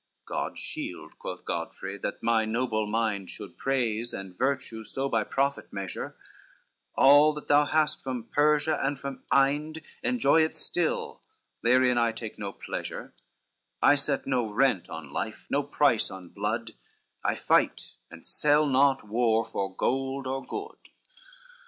"God shield," quoth Godfrey, "that my noble mind Should praise and virtue so by profit measure, All that thou hast from Persia and from Inde Enjoy it still, therein I take no pleasure; I set no rent on life, no price on blood, I fight, and sell not war for gold or good."